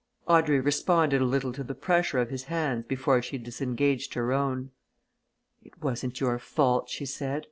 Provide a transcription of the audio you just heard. Audrey responded a little to the pressure of his hands before she disengaged her own. "It wasn't your fault," she said.